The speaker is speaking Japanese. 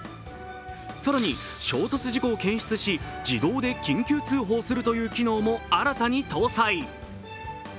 更に衝突事故を検出し自動で緊急通報する機能も新たに搭載。